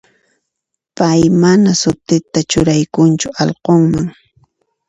Pay mana sutita churaykunchu allqunman.